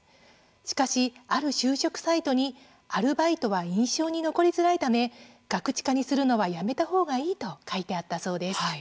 しかし、ある就職サイトにアルバイトは印象に残りづらいためガクチカにするのはやめた方がいいと書いてあったそうです。